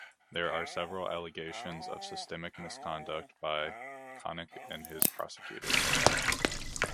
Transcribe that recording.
There are several allegations of systemic misconduct by Connick and his prosecutors.